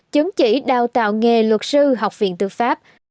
chứng chỉ đào tạo nghề luật sư học viện tư pháp